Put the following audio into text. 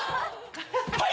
はい！